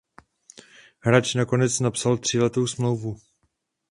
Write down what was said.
Hráč nakonec podepsal tříletou smlouvu.